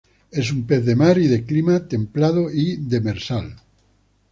Es un pez de Mar y, de clima templado y demersal.